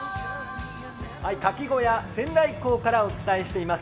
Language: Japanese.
かき小屋仙台港からお伝えしています。